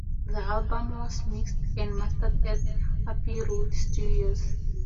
The album was mixed and mastered at Abbey Road Studios.